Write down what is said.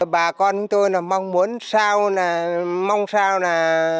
bà con tôi mong muốn sau là